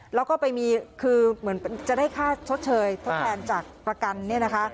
แล้วก็ไปมีคือเหมือนจะได้ค่าชดเชยทดแทนจากประกันเนี่ยนะคะ